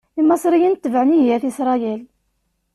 Imaṣriyen tebɛen ihi At Isṛayil.